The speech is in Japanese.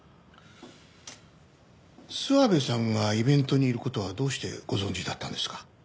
諏訪部さんがイベントにいる事はどうしてご存じだったんですか？